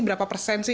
berapa persen sih